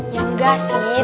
ya enggak sih